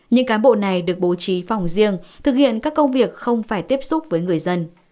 những cán bộ này được bố trí phòng riêng thực hiện các công việc không phải tiếp xúc với người dân